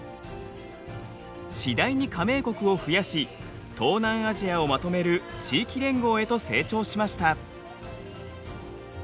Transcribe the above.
次第に加盟国を増やし東南アジアをまとめる地域連合へと成長しました。